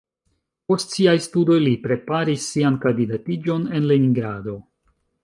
Post siaj studoj li preparis sian kandidatiĝon en Leningrado.